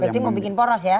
berarti mau bikin poros ya